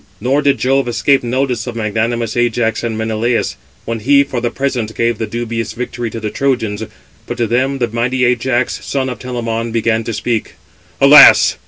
Nor did Jove escape notice of magnanimous Ajax and Menelaus, when he for the present gave the dubious victory to the Trojans; but to them the mighty Ajax, son of Telamon, began to speak: "Alas!